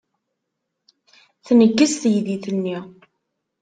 Tneggez teydit-nni.